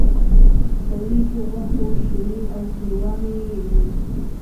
د وریجو، غوښو، شولې او ښورواوې وو.